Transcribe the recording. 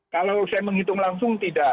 kalau saya menghitung langsung tidak